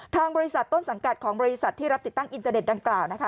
ทางบริษัทต้นสังกัดของบริษัทที่รับติดตั้งอินเตอร์เน็ตดังกล่าวนะคะ